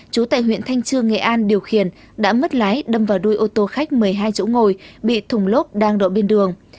chú tại huyện thanh trương nghệ an điều khiển đã mất lái đâm vào đuôi ô tô khách một mươi hai chỗ ngồi bị thùng lốp đang đổ bên đường